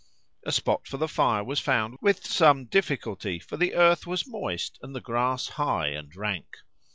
A spot for the fire was found with some difficulty, for the earth was moist and the grass high and rank.